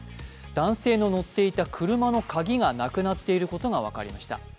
男性の乗っていた車の鍵がなくなっていることが分かりました。